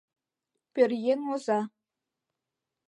Пӧръеҥ оза.